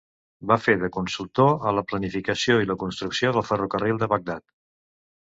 Va fer de consultor a la planificació i la construcció del ferrocarril de Baghdad.